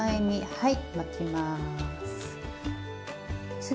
はい。